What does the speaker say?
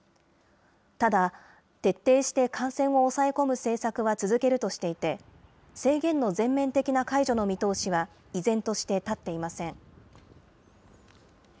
ただ、徹底して感染を抑え込む政策は続けるとしていて、制限の全面的な解除の見通しは依然として立っていません。